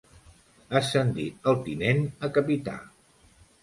Ascendir el tinent a capità.